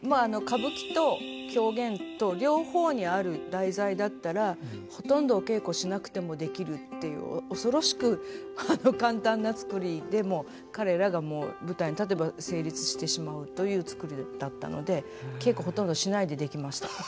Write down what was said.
歌舞伎と狂言と両方にある題材だったらほとんどお稽古しなくてもできるっていう恐ろしく簡単な作りでも彼らがもう舞台に立てば成立してしまうという作りだったので稽古ほとんどしないでできました。